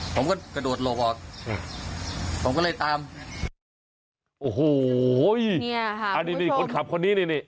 ผมก็กระโดดหลบออกผมก็เลยตามโอ้โหเนี่ยค่ะอันนี้นี่คนขับคนนี้นี่นี่